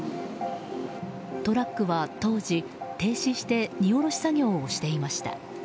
トラックは当時、停止して荷下ろし作業をしていました。